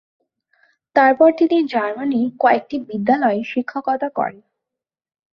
তারপর তিনি জার্মানীর কয়েকটি বিদ্যালয়ে শিক্ষকতা করেন।